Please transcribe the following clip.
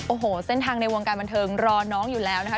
โอ้โหเส้นทางในวงการบันเทิงรอน้องอยู่แล้วนะคะ